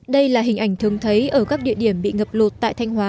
đây là hình ảnh thường thấy ở các địa điểm bị ngập lột tại thanh hóa